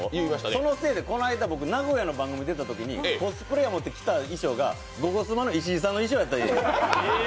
そのせいでこの間、名古屋の番組出たときに、コスプレやと思って持ってきた衣装が石井さんと一緒やった。